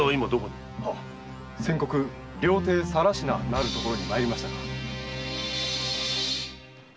先刻料亭「更級」なるところに参りました。